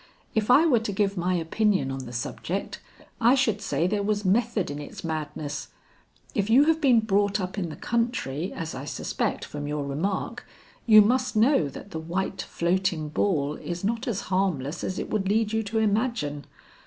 If I were to give my opinion on the subject, I should say there was method in its madness. If you have been brought up in the country, as I suspect from your remark, you must know that the white floating ball is not as harmless as it would lead you to imagine.